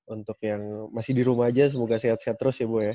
untuk yang masih di rumah aja semoga sehat sehat terus ya bu ya